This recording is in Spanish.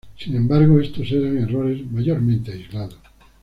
Sin embargo, estos eran errores mayormente aislados.